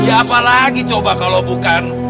ya apalagi coba kalau bukan